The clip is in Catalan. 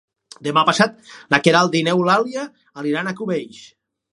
Demà passat na Queralt i n'Eulàlia aniran a Cubells.